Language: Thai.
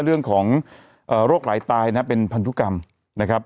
เรื่องของเอ่อโรคไหลตายนะครับเป็นพันธุกรรมนะครับ